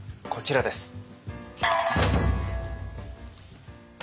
こちらです。